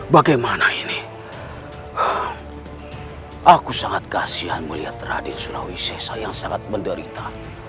bagaimana ini aku sangat kasihan melihat raden sulawesi yang sangat menderita